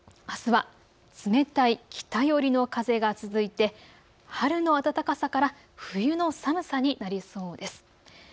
あすは冷たい北寄りの風が続いて春の暖かさから冬の寒さになりそうです。